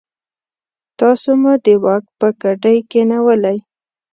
تاسو مو د واک په ګدۍ کېنولئ.